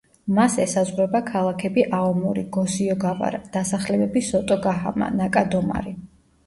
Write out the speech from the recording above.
მას ესაზღვრება ქალაქები აომორი, გოსიოგავარა, დასახლებები სოტოგაჰამა, ნაკადომარი.